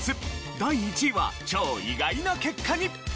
第１位は超意外な結果に！